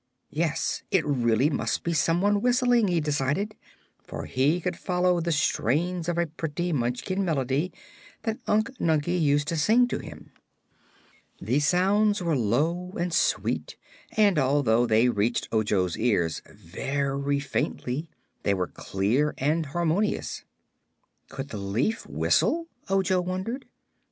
Yes; it really must be some one whistling, he decided, for he could follow the strains of a pretty Munchkin melody that Unc Nunkie used to sing to him. The sounds were low and sweet and, although they reached Ojo's ears very faintly, they were clear and harmonious. Could the leaf whistle, Ojo wondered?